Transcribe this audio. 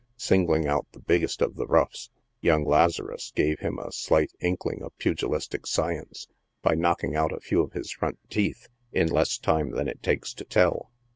Singling out the biggest of the roughs, young Lazarus gave him a slight inkling of pugilistic science by knocking out a few of his front teeth, in less time than it takes to tell.